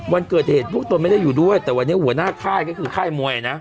วันเกิดเหตุพวกตนไม่ได้อยู่ด้วยแต่วันนี้หัวหน้าค่ายก็คือค่ายมวยนะ